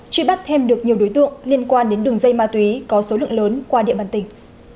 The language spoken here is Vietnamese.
truy bắt thêm được nhiều đối tượng liên quan đến đường dây ma túy có số lượng lớn qua địa bàn tỉnh